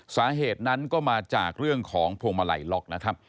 สาเหตุนั้นก็มาจากเรื่องของพวงมาลัยล็อกนะครับ